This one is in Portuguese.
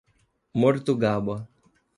Mortugaba